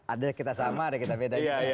ada kita sama ada kita bedain